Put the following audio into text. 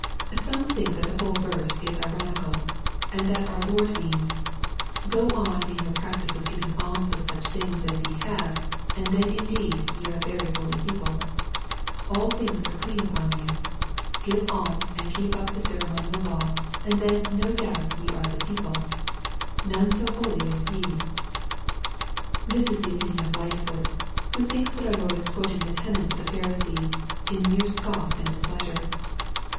Some think that the whole verse is ironical, and that our Lord means, Go on in your practice of giving alms of such things aa ye have, and then indeec} ye are very holy people 1 All things are clean upon you I — Give alms and keep up the ceremonial law, and then no doubt ye are the people 1 None so holy as ye I" This is the opinion of Lightfoot, who thinks that our Lord is quoting the tenets of the Pharisees " in mere scoff and displeasure."